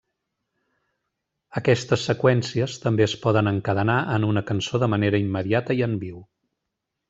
Aquestes seqüències també es poden encadenar en una cançó de manera immediata i en viu.